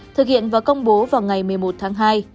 thực hiện và công bố vào ngày một mươi một tháng hai